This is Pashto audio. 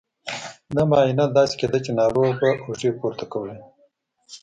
دا معاینه داسې کېده چې ناروغ به اوږې پورته کولې.